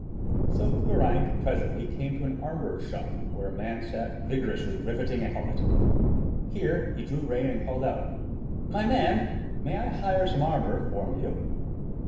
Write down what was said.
So Geraint presently came to an armorer's shop where a man sat vigorously riveting a helmet. Here he drew rein and called out: "My man, can I hire some armor from you.?"